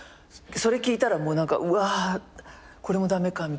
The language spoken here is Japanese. それ聞いたらもう何かうわこれも駄目かみたいにね。